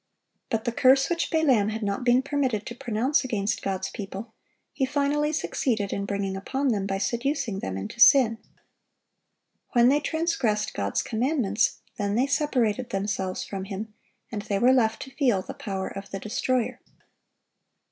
But the curse which Balaam had not been permitted to pronounce against God's people, he finally succeeded in bringing upon them by seducing them into sin. When they transgressed God's commandments, then they separated themselves from Him, and they were left to feel the power of the destroyer.